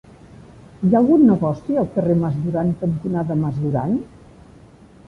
Hi ha algun negoci al carrer Mas Duran cantonada Mas Duran?